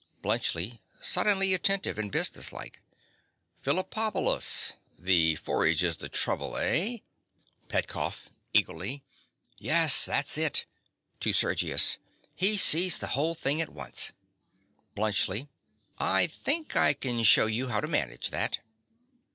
BLUNTSCHLI. (suddenly attentive and business like). Phillipopolis! The forage is the trouble, eh? PETKOFF. (eagerly). Yes, that's it. (To Sergius.) He sees the whole thing at once. BLUNTSCHLI. I think I can shew you how to manage that.